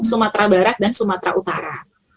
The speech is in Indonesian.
sumatera barat dan sumatera utara